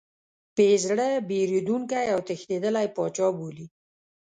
بې زړه، بېرندوکی او تښتېدلی پاچا بولي.